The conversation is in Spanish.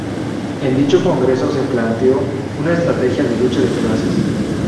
En dicho congreso se planteó una estrategia de lucha de clases.